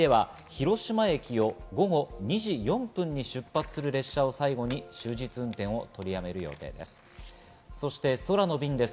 下りでは、広島駅を午後２時４分に出発する列車を最後に終日運転を取り止める予定です。